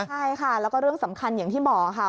ใช่ค่ะแล้วก็เรื่องสำคัญอย่างที่บอกค่ะ